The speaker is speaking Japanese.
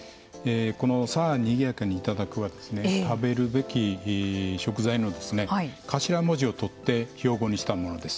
この「さあ、にぎやかにいただく」は食べるべき食材の頭文字を取って標語にしたものです。